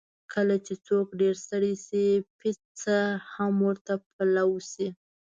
کله چې څوک ډېر ستړی شي، پېڅه هم ورته پلاو شي.